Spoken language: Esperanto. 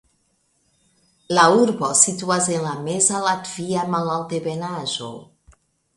La urbo situas en la Meza Latvia malaltebenaĵo.